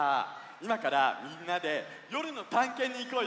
いまからみんなでよるのたんけんにいこうよ！